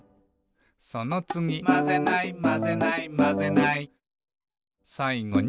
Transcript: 「そのつぎ」「『まぜない』『まぜない』『まぜない』」「さいごに」